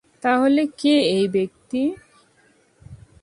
তাহলে, কে এই ব্যক্তি?